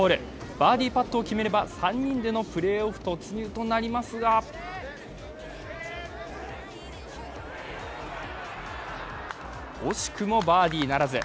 バーディーパットを決めれば３人でのプレーオフ突入となりますが惜しくもバーディーならず。